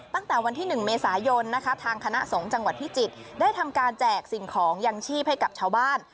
ตั้งแต่วันที่๑เมษายนนะคะทางคณะสงฆ์จังหวัดพิจิตรได้ทำการแจกสิ่งของยังชีพให้กับชาวบ้าน